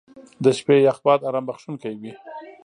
• د شپې یخ باد ارام بخښونکی وي.